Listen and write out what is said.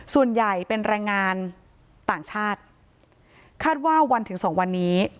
ส่วนใหญ่เป็นแรงงานต่างชาติคาดว่าวันถึงสองวันนี้